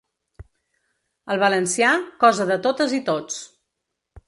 El valencià, cosa de totes i tots.